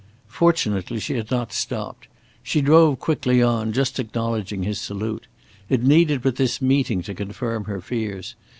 Fortunately she had not stopped. She drove quickly on, just acknowledging his salute. It needed but this meeting to confirm her fears.